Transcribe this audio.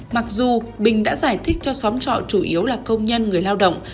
mặc dù bình đã giải thích cho xóm trọ chủ yếu là công nhân người lao động